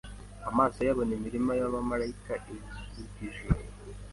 Amaso ye abona imirima yabamarayika ivuka ijoro